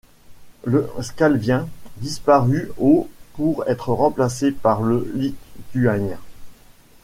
Le skalvien disparut au pour être remplacé par le lituanien.